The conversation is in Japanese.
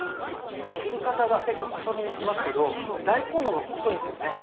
切り方が結構細身にしてますけど大根の方が細いんですよね。